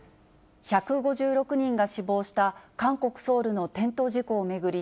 １５６人が死亡した、韓国・ソウルの転倒事故を巡り